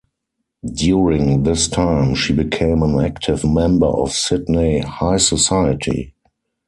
During this time, she became an active member of Sydney high society.